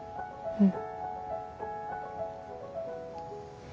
うん。